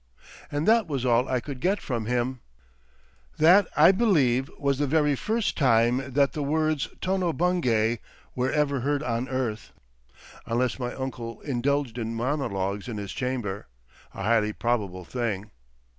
And that was all I could get from him. That, I believe, was the very first time that the words Tono Bungay ever heard on earth—unless my uncle indulged in monologues in his chamber—a highly probable thing.